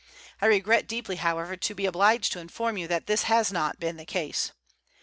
I regret deeply, however, to be obliged to inform you that this has not been the case.